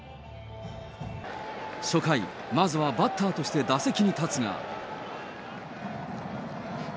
初回、まずはバッターとして打席に立つが。